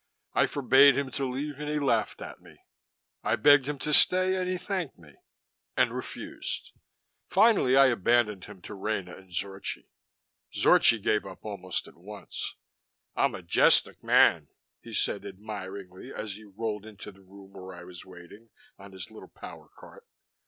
I forbade him to leave and he laughed at me. I begged him to stay and he thanked me and refused. Finally I abandoned him to Rena and Zorchi. Zorchi gave up almost at once. "A majestic man!" he said admiringly, as he rolled into the room where I was waiting, on his little power cart.